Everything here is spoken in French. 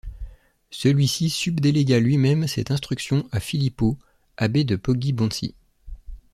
Celui-ci subdélégua lui-même cette instruction à Filippo, abbé de Poggibonsi.